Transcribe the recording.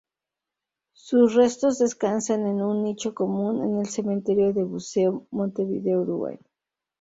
Sus restos descansan en un nicho común, en el Cementerio del Buceo, Montevideo, Uruguay.